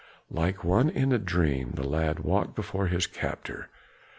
Like one in a dream the lad walked before his captor.